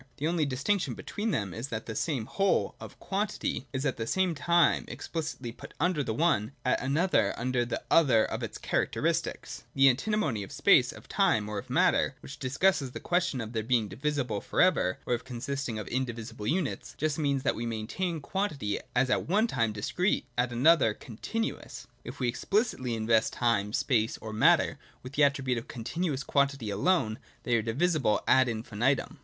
The only distinction between them is that the same whole (of quantity) is at one time explicitly put under the one, at another under the other of its cha racteristics. (2) The Antinomy of space, of time, or of matter, which discusses the question of their being divi sible for ever, or of consisting of indivisible units, just means that we maintain quantity as at one time Dis crete, at another Continuous. If we explicitly invest time, space, or matter with the attribute of Continuous quantity alone, they are divisible ad infinitum.